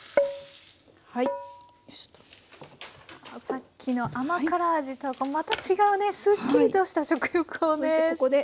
さっきの甘辛味とはまた違うすっきりとした食欲をそそる香り。